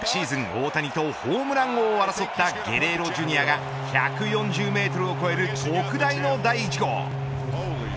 大谷とホームラン王を争ったゲレーロＪｒ．が１４０メートルを超える特大の第１号。